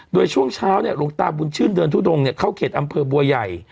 โดยช่วงเช้าหลวงตาบุญชื่นเดินทุดงเข้าเขตอำเภอบัวใหญ่